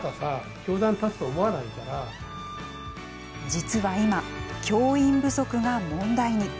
実は今、教員不足が問題に。